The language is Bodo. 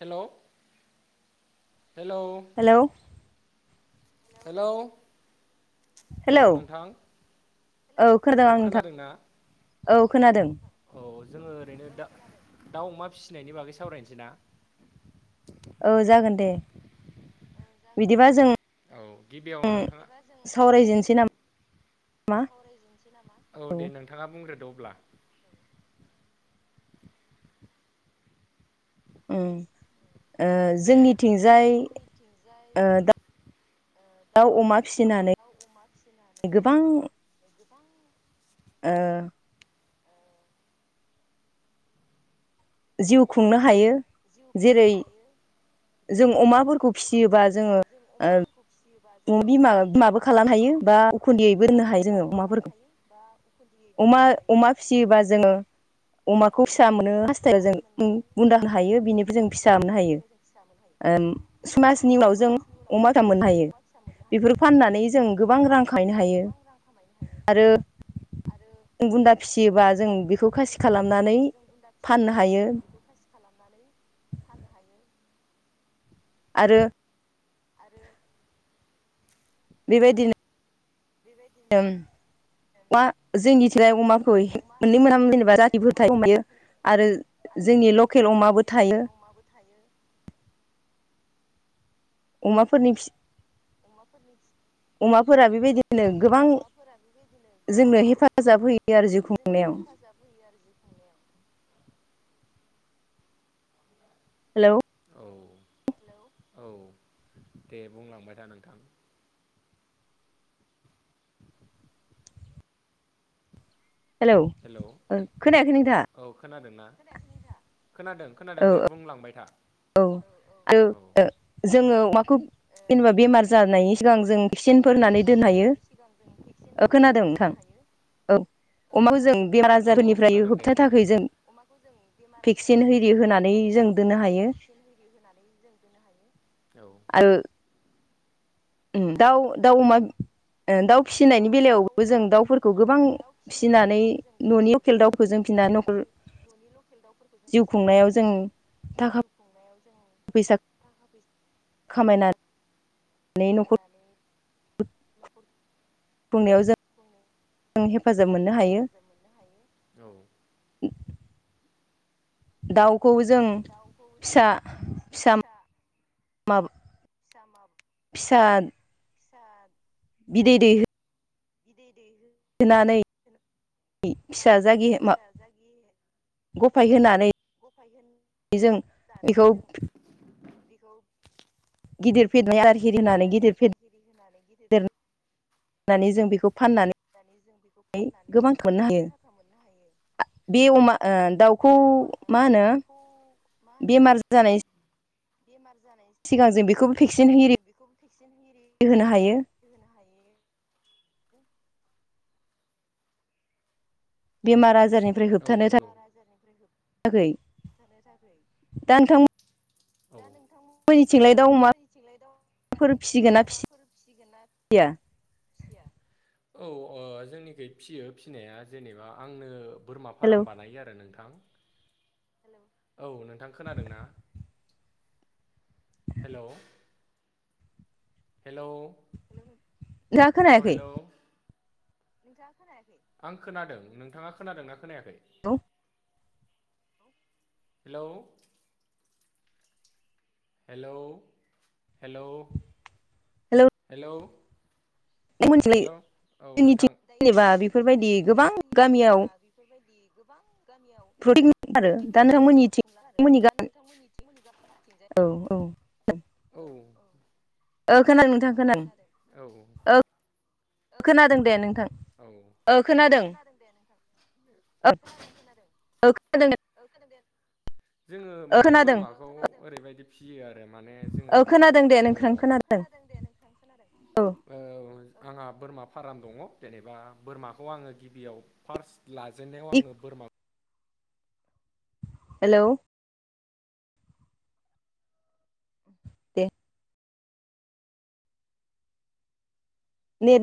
हेल' हेलौ हेलौ हेलौ हेलौ नोंथां। हेलौ खोनादों औ आं नोंथां खोनादोंनाा औ खोनादों आं नोंथां। औ जोङो ओरैनो दा दाउ अमा फिसिनायनि बागै सावरायनोसै ना। औ जागोन दे। बिदिबा जों औ गिबियाव नोंथाङा। सावरायजेनसै नामा सावरायोबसै नामा औ दे नोंथाङा बुंग्रोदो अब्ला ओ दे जोंनिथिंजाय ओ दा ओ जों दाउ अमा फिसिनानै गोबां गोबां ओ जिउ खुंनो हायो। जेरै जों अमाफोरखौ फिसियोबा जोङो [unintelligible] बिमा बिमाबो खालामनो हायो बा उखुन्दैयैबो दोननो हायो जोङो अमाफोरखौ। बा उखुन्दैयैबो अमा दोननो हायो अमा जोङो फिसियोबा अमाफोरखौ। जोङो अमाखौ फिसा मोनो हास्थायो जों बुन्दा नो हायो बिनिफ्राय जों फिसा मोननो हायो ओ समाजनि उाव जों अमा दाम मोननो हायो। फैसा मोननो हायो बेफोरखौ फाननानै जों गोबां बेफोरखौ रां फाननानै खामायनो जों हायो गोबां रां खामायनो हायो। आरो आरो बुन्दा फिसियोबा जों बेखौ खासि खालामनानै बुन्दाफोरखौ जों बुन्दा फाननो फिसियोबा हायो जों बेखौ खासि खालामनानै फाननो हायो। आरो आरो बेबायदिनो बेबायदिनो जोंनिथिंगाय अमाखौ मोननै मोनाम जेनेबा रथिफोरथाय अमायो आरो आरो जोंनि लकेल अमाबो जोंनि थायो लकेल अमाबो थायो‌। अखाफोरनि फि अमाफोरनि अमाफोरा बेबायदिनो गोबां जोंनो हेफाजाब होयो। आरो जिउ जोंनियाव खुंनायाव हेफाजाब होयो आरो जि थांनायाव [unintelligible] हेलौ। औ औ दे बुंलांबाय था नोंथां। हेलौ खोनायाखै नोंथांआ। औ [unintelligible] खोनादोंना खोनादों औ खोनादों दे बुंलांबाय था। औ औ आरो जोङो माखौ। जेनेबा बेमार जानायनि सिगां जों भेक्सिनफोर होनानै दोननो हायो ओ खोनादों नोंथां। [unintelligible] औ। अमा जों बेमार औ औ आजारनिफ्राय खोनादों दे होबथानो बुंबाय था थाखाय जों भेक्सिन हो होनानै जों दोननो हायो। रिग होनानै जों दोननो हायो औ। ओ उम दाउ दाउ अमा। ओ दाउ फिसिनायनि बेलायावबो जों दाउफोरखौ गोबां फिसिनानै न'नि लकेल दाउखौ जों फिसिनानै न'नि लकेल दाउफोरखौ जों फिसिनानै न'खर उम थाखा खुंनायाव जों फैसा खामायना खामायनानै न'खर बुंनायाव जों हेफाजाब बुंनायाव जों मोननो हायो हेफाजाब मोननो हायो औ। दाउखौ जों फिसा फिसा मा [unintelligible] फिसा [unintelligible] बिदै दैहो बिदै फिसा दैहोनानै जागि मा फिसा जागि गफाय होनानै जों। दानै बेखौ जों बिखौ। गिदिर फेदेरनानै आदार गिदिर हिरि होनानै फेदेरनानै गिदिर आदार एरि होनानै गिदिर। फेदेरनानै जों बेखौ फाननानै देरनानै जों बेखौ फाननानै मोननो गोबां हायो थाखा मोननो हायो। बे अमा ओ दाउखौ मा होनो बेमार जानाय। बेमार जानाय। सिगां जों बेखौ। होनो हायो [unintelligible] बेमार आजारनिफ्राय औ होबथानो नंगौ थाखाय [inaudible] दा नोंथां दा नोंथांनिथिंलाय दं सोर फिसिगोन ना फिया औ जोंनिख फिसियो फिसिनाया जेनेबा आंनो। बोरमा हेलौ फाराम बानायो आरो नोंथां, औ नोंथां खोनादोंना? हेल'। हेल' नोंथाङा हेल' खोनायाखै हेल'। नोंथाङा खोनायाखै आं खोनादों नोंथाङा खोनादों ना खोनायाखै। औ। हेलौ हेल' हेल' हेल' हेल' हेल' औ जोंनिथिं नोंथां दायो जेनेबा बेफोरबायदि गोबां नोंथांमोननिथिंलायनिथिं गामियाव जेबा बेफोरबायदि गोबां गामियाव प्रटिन आरो प्रतिक दा मथर जों नोंथांमोननिथिं खुंला आरो नोंथांमोननि दा गामि नोंथांमोननिथिं औ औ औ खोनादों नोंथां खोनादों औ ओ औ खोनादों नोंथां खोनादों औ खोनादों दे नोंथां ओ खोनादों खोनादों ओ खोनादों जोङो ओ माने खोनादों बोरमाखौ ओरैबायदि फिसियो आरो माने जोङो ओ खोनादों दे नोंथां खोनादों दे नोंथां खोनादों औ ओ आंहा बोरमा फार्म दङ जेनेबा बोरमाखौ आङो गिबियाव फार्स्ट लाजेननायाव आङो बोरमा हेलौ द नेट